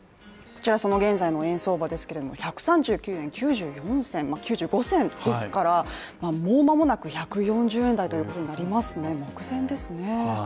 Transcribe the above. こちらその現在の円相場なんですけれども１３９円９４銭、９５銭ですからもう間もなく１４０円台ということになりますね、目前ですね。